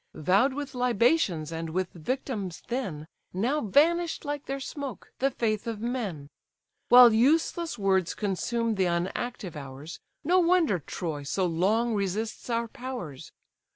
Vow'd with libations and with victims then, Now vanish'd like their smoke: the faith of men! While useless words consume the unactive hours, No wonder Troy so long resists our powers.